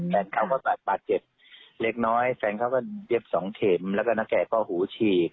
แฟนเขาก็บาดเจ็บเล็กน้อยแฟนเขาก็เย็บสองเข็มแล้วก็นาแก่ก็หูฉีก